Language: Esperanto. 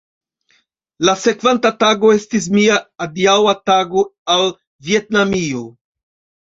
La sekvanta tago estis mia adiaŭa tago al Vjetnamio.